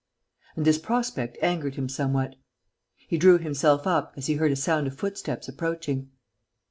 And this prospect angered him somewhat. He drew himself up, as he heard a sound of footsteps approaching.